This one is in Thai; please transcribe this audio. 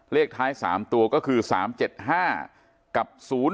เลขท้าย๓ตัวก็คือ๓๗๕กับ๐๔